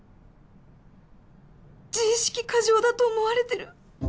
自意識過剰だと思われてる！